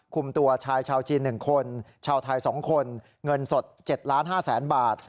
คุมตัวชายชาวจีนหนึ่งคนชาวไทยสองคนเงินสดเจ็ดล้านห้าแสนบาท